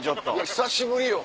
久しぶりよ。